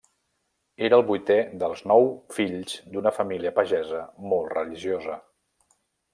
Era el vuitè dels nou fills d'una família pagesa molt religiosa.